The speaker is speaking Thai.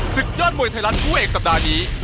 ศึกยอดมวยไทยรัฐคู่เอกสัปดาห์นี้